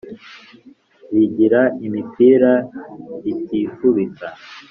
Rigira imipira ritifubika